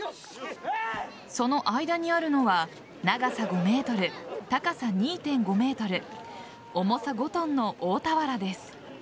その間にあるのは長さ５ｍ高さ２．５ｍ重さ５ｔの大俵です。